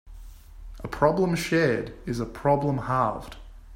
A problem shared is a problem halved.